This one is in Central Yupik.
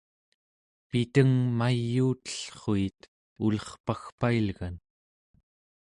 piteng mayuutellruit ulerpagpailgan